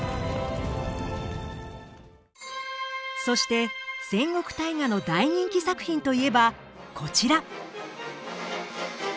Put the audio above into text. そして戦国大河の大人気作品といえばこちら。